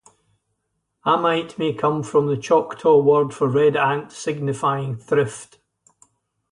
"Amite" may come from the Choctaw word for "red ant" signifying "thrift".